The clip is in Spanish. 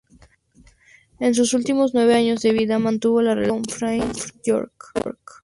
En sus últimos nueve años de vida mantuvo relación con Francine York.